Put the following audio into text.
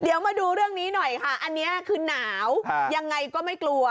เดี๋ยวมาดูเรื่องนี้หน่อยค่ะอันนี้คือหนาวยังไงก็ไม่กลัว